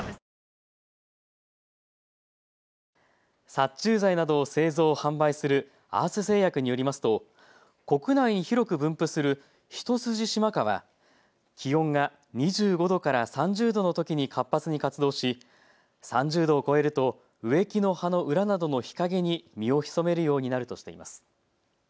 殺虫剤などを製造・販売するアース製薬によりますと国内に広く分布するヒトスジシマカは気温が２５度から３０度のときに活発に活動し３０度を超えると植木の葉の裏などの日陰に身を潜めるようになるとしています。